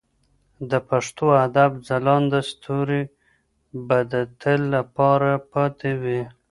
د پښتو ادب ځلانده ستوري به د تل لپاره پاتې وي.